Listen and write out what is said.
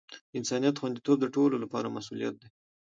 د انسانیت خوندیتوب د ټولو لپاره مسؤولیت دی.